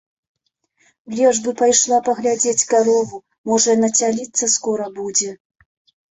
Лепш бы пайшла паглядзець карову, можа яна цяліцца скора будзе.